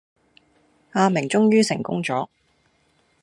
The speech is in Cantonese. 阿明終於成功咗